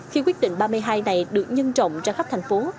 khi quyết định ba mươi hai này được nhân trọng ra khắp thành phố